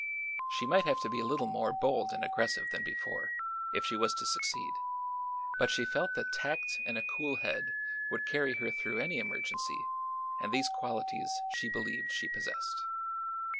She might have to be a little more bold and aggressive than before, if she was to succeed, but she felt that tact and a cool head would carry her through any emergency and these qualities she believed she possessed.